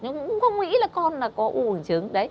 nhưng cũng không nghĩ là con có u bùng trứng